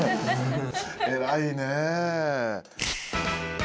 偉いね。